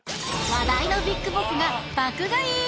話題のビッグボスが爆買い！